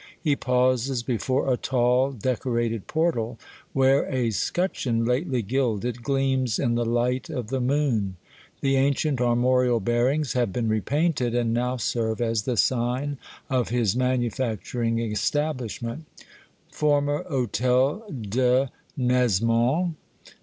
He pauses before a tall, decorated portal where a scutcheon lately gilded, gleams in the light of the moon ; the ancient armorial bearings have been re painted, and now serve as the sign of his manufacturing establishment, — Former Hotel de Nesmond.